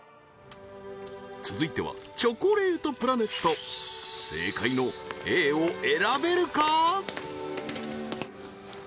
続いてはチョコレートプラネット正解のＡを選べるか？